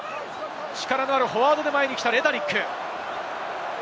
力のあるフォワードで前に来たレタリック。